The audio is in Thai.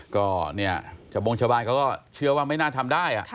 ก็เนี่ยชาวบงชาวบ้านเขาก็เชื่อว่าไม่น่าทำได้